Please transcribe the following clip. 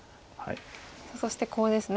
さあそしてコウです。